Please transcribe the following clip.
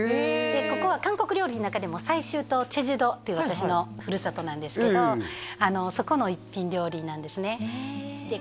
ここは韓国料理の中でも済州島チェジュ島っていう私のふるさとなんですけどそこの一品料理なんですねで